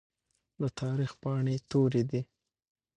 د تاريخ پاڼې تورې دي.